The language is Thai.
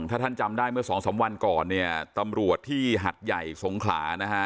ถ้าท่านจำได้เมื่อสองสามวันก่อนเนี่ยตำรวจที่หัดใหญ่สงขลานะฮะ